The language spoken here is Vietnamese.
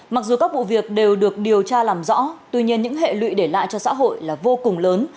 mặc dù các vụ việc đều được điều tra làm rõ tuy nhiên những hệ lụy để lại cho xã hội là vô cùng lớn